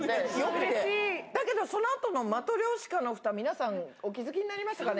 でもそのあとのマトリョーシカのふた、皆さん、お気付きになりましたかね？